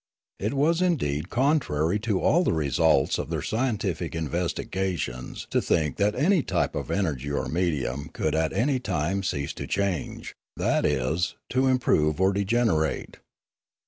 It was indeed contrary to all the results of their scientific investigations to think that any type of energy or medium could at any time cease to change, that is, to improve or degenerate.